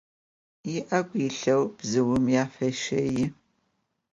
I'egu yilheu bzıuxem afêşei.